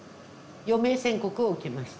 余命宣告を受けました。